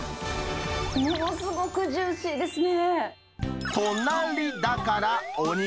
ものすごくジューシーですね。